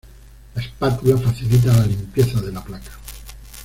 La espátula facilita la limpieza de la placa.